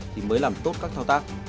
thì mới làm tốt các thao tác